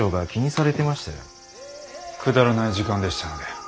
くだらない時間でしたので。